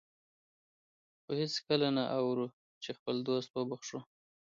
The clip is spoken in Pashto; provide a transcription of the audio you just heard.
خو هېڅکله نه اورو چې خپل دوست وبخښو.